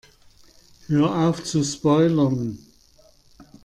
Hör auf zu spoilern!